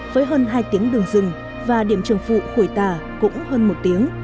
với hơn hai tiếng đường rừng và điểm trường phụ khuổi tà cũng hơn một tiếng